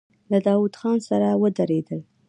له داوود خان سره ودرېدل.